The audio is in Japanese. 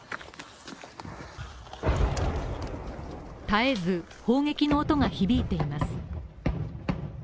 絶えず砲撃の音が響いています。